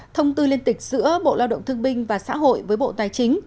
thông tư liên tịch giữa bộ lao động thương binh và xã hội với bộ tài chính